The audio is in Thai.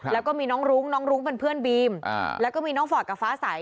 แล้วก็มีน้องรุ้งน้องรุ้งเป็นเพื่อนบีมแล้วก็มีน้องฟอร์ดกับฟ้าใส